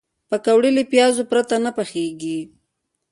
پکورې له پیازو پرته نه پخېږي